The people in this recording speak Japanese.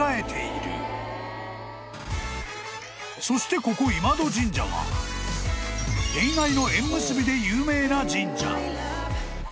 ［そしてここ今戸神社は恋愛の縁結びで有名な神社］